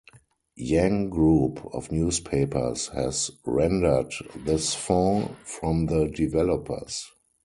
Jang Group of Newspapers has rendered this font from the developers.